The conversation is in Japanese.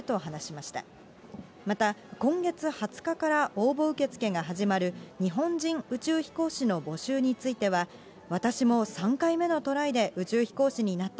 また、今月２０日から応募受け付けが始まる、日本人宇宙飛行士の募集については、私も３回目のトライで宇宙飛行士になった。